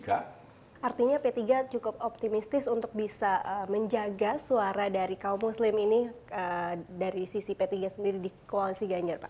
artinya p tiga cukup optimistis untuk bisa menjaga suara dari kaum muslim ini dari sisi p tiga sendiri di koalisi ganjar pak